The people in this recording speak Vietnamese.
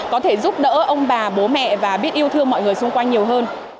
có thể giúp đỡ ông bà bố mẹ và biết yêu thương mọi người xung quanh nhiều hơn